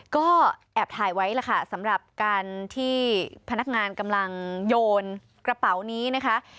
ก็แอบถ่ายไว้ล่ะค่ะสำหรับการที่พนักงานกำลังโยนกระเป๋านี้นะคะ